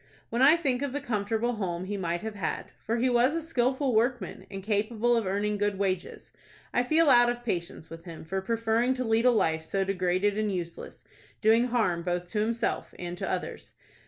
When I think of the comfortable home he might have had, for he was a skilful workman and capable of earning good wages, I feel out of patience with him for preferring to lead a life so degraded and useless, doing harm both to himself and to others.